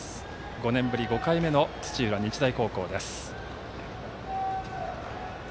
５年ぶり５回目の土浦日大高校です。